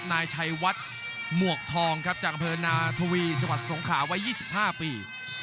นายชัยวัดหมวกทองครับจากบริษัทนาธวีจสงขาววัย๒๕ปี